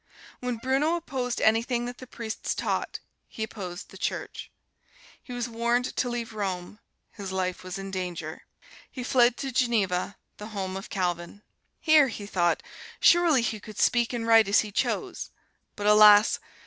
When Bruno opposed anything that the priests taught, he opposed the Church. He was warned to leave Rome his life was in danger. He fled to Geneva, the home of Calvin. Here he thought, surely, he could speak and write as he chose. But alas!